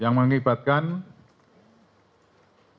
yang mengibatkan dua anggota